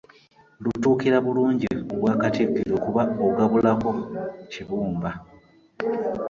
Lutuukira bulungi ku Bwakatikkiro kuba ogabulako kibumba.